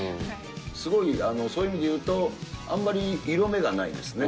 すごいそういう意味で言うと、あんまり色目がないですね。